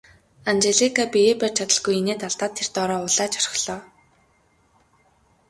Анжелика биеэ барьж чадалгүй инээд алдаад тэр дороо улайж орхилоо.